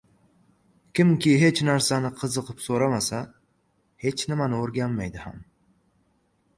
Kimki hech narsani qiziqib so‘ramasa, hech nimani o‘rganmaydi ham.